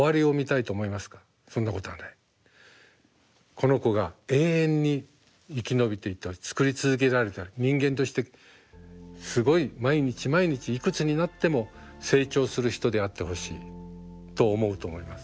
この子が永遠に生き延びていって作り続けられたら人間としてすごい毎日毎日いくつになっても成長する人であってほしいと思うと思います。